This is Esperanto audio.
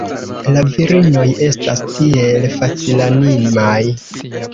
La virinoj estas tiel facilanimaj.